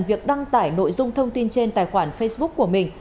việc đăng tải nội dung thông tin trên tài khoản facebook của mình